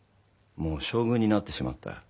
もう将軍になってしまった。